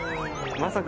まさか。